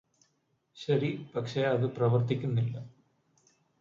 ശരി പക്ഷേ അത് പ്രവര്ത്തിക്കുന്നില്ല